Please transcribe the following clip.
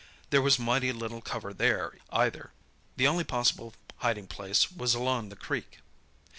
There was mighty little cover there, either. The only possible hiding place was along the creek.